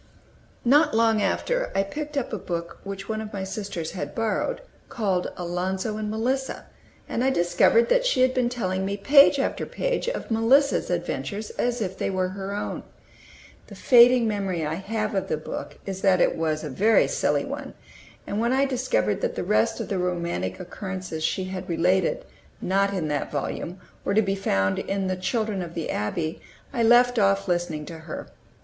Not long after I picked up a book which one of my sisters had borrowed, called "Alonzo and Melissa," and I discovered that she had been telling me page after page of "Melissa's" adventures, as if they were her own. The fading memory I have of the book is that it was a very silly one; and when I discovered that the rest of the romantic occurrences she had related, not in that volume, were to be found in "The Children of the Abbey," I left off listening to her.